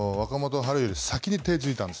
春より先に手をついたんです。